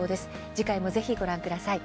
次回もぜひ、ご覧ください。